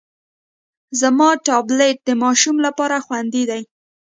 زما ټابلیټ د ماشوم لپاره خوندي دی.